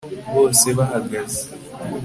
bose bahagaze